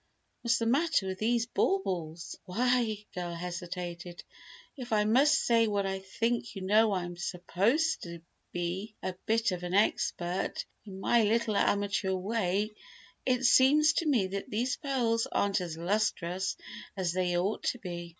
What's the matter with these baubles?" "Why," the girl hesitated, "if I must say what I think you know I am supposed to be a bit of an expert, in my little amateur way, it seems to me these pearls aren't as lustrous as they ought to be.